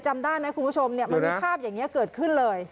จำได้ไหมคุณผู้ชมมันมีภาพอย่างนี้เกิดขึ้นเลย